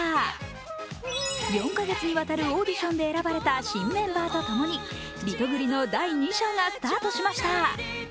４か月にわたるオーディションで選ばれた新メンバーとともにリトグリの第２章がスタートしました。